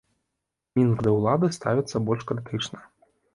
Мінск да ўлады ставіцца больш крытычна.